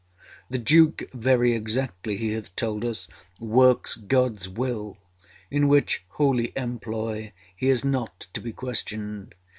â The Duke, very exactly he hath told us, works Godâs will, in which holy employ heâs not to be questioned.